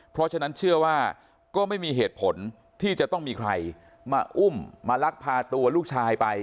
เพราะฉะนั้นเชื่อว่าก็ไม่มีเหตุผลที่จะต้องมีใครมาอุ้มมาลักพาตัวลูกชายไป